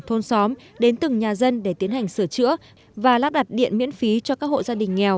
thôn xóm đến từng nhà dân để tiến hành sửa chữa và lắp đặt điện miễn phí cho các hộ gia đình nghèo